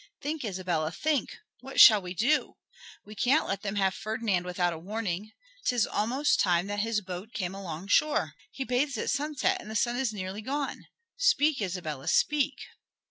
"Think, Isabella, think; what shall we do? We can't let them have Ferdinand without a warning. 'Tis almost time that his boat came alongshore. He bathes at sunset and the sun is nearly gone. Speak, Isabella, speak."